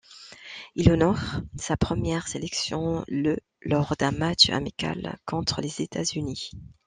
Il honore sa première sélection le lors d'un match amical contre les États-Unis.